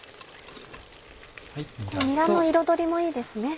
にらの彩りもいいですね。